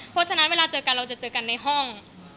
เพราะฉะนั้นเวลาเจอกันเราจะเจอกันในห้อง